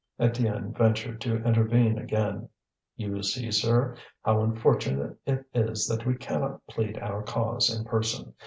Étienne ventured to intervene again. "You see, sir, how unfortunate it is that we cannot plead our cause in person.